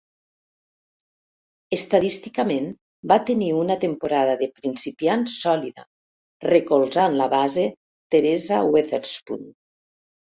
Estadísticament va tenir una temporada de principiant sòlida, recolzant la base Teresa Weatherspoon.